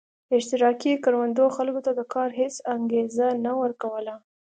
اشتراکي کروندو خلکو ته د کار هېڅ انګېزه نه ورکوله.